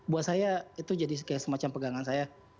buat saya itu jadi kayak semacam pegangan saya